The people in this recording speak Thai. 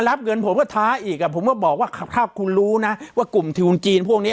รับเงินผมก็ท้าอีกอ่ะผมก็บอกว่าถ้าคุณรู้นะว่ากลุ่มทุนจีนพวกนี้